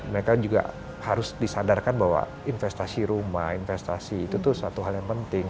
mereka juga harus disadarkan bahwa investasi rumah investasi itu tuh satu hal yang penting